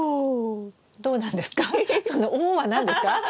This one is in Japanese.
どうなんですか？